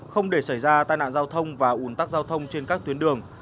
không để xảy ra tai nạn giao thông và ủn tắc giao thông trên các tuyến đường